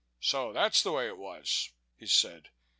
"So that's the way it was," he said.